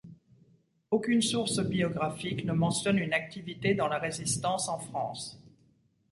Aucune source biographique ne mentionne une activité dans la Résistance en France.